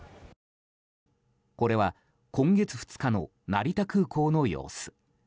これは今月２日の成田空港の様子。